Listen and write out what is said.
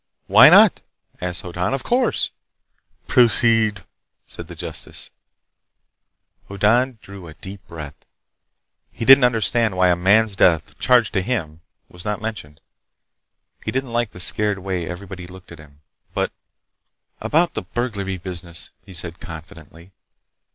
"Why not?" asked Hoddan. "Of course!" "Proceed," said the justice. Hoddan drew a deep breath. He didn't understand why a man's death, charged to him, was not mentioned. He didn't like the scared way everybody looked at him. But— "About the burglary business," he said confidently.